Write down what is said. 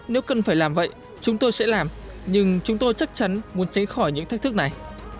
nếu cần phải làm vậy chúng tôi sẽ làm nhưng chúng tôi chắc chắn muốn tránh khỏi những thách thức này